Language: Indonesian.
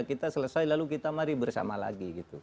kita selesai lalu kita mari bersama lagi gitu